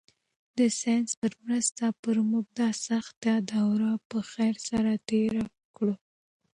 د ساینس په مرسته به موږ دا سخته دوره په خیر سره تېره کړو.